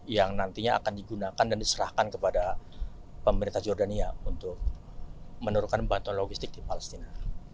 yang nantinya akan digunakan dan diserahkan kepada pemerintah jordania untuk menurunkan bantuan logistik di palestina